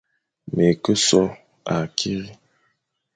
Me ke so akiri,